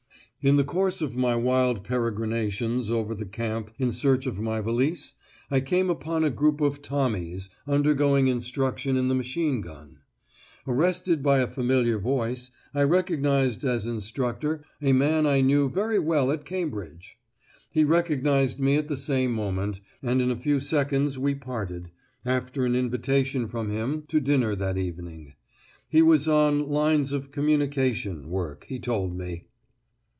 In the course of my wild peregrinations over the camp in search of my valise, I came upon a group of Tommies undergoing instruction in the machine gun. Arrested by a familiar voice, I recognised as instructor a man I had known very well at Cambridge! He recognised me at the same moment, and in a few seconds we parted, after an invitation from him to dinner that evening; he was on "lines of communication" work, he told me.